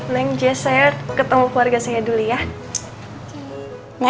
neng jess saya ketemu keluarga saya dulu ya